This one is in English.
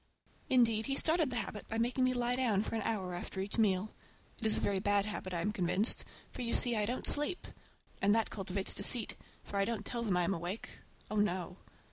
Indeed, he started the habit by making me lie down for an hour after each meal. It is a very bad habit, I am convinced, for, you see, I don't sleep. And that cultivates deceit, for I don't tell them I'm awake,—oh, no!